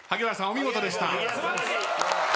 お見事でした。